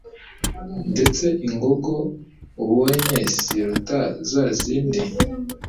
Ndetse ingogo ubonye siruta zazindi